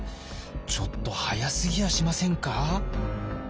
ちょっと早すぎやしませんか？